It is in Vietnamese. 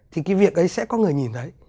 thì cái việc ấy sẽ có người nhìn thấy